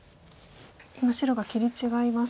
今白が切り違い